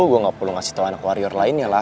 gua gak perlu ngasih tau anak warrior lainnya lah